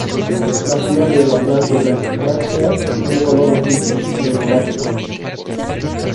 Las flores de la planta y las brácteas son de color rojizo, remolacha.